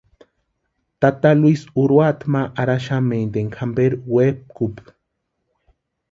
Tata Luis urhuata ma arhaxamenti énka jamperu wepkupka.